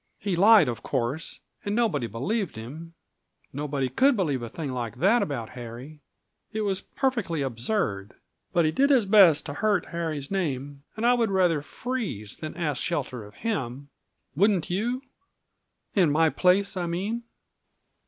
He lied, of course, and nobody believed him; nobody could believe a thing like that about Harry. It was perfectly absurd. But he did his best to hurt Harry's name, and I would rather freeze than ask shelter of him. Wouldn't you in my place, I mean?"